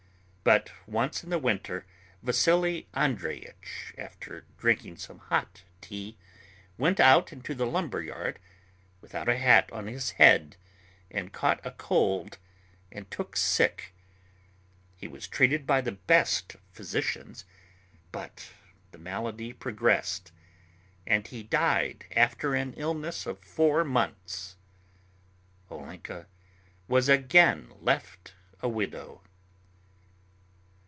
But once in the winter Vasily Andreyich, after drinking some hot tea, went out into the lumber yard without a hat on his head, caught a cold and took sick. He was treated by the best physicians, but the malady progressed, and he died after an illness of four months. Olenka was again left a widow.